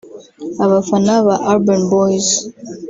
Abafana ba Urban Boyz